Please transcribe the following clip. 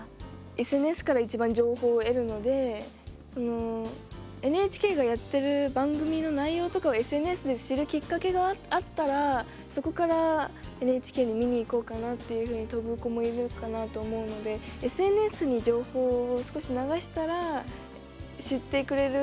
ＳＮＳからいちばん情報を得るのでＮＨＫがやってる番組の内容とかをＳＮＳで知るきっかけがあったらそこからＮＨＫに見にいこうかなっていうふうに飛ぶ子もいるかなと思うのでＳＮＳに情報を少し流したら知ってくれる私たち